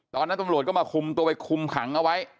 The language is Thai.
ตอนนั้นตำรวจก็มาคุมตัวไปคุมขังเอาไว้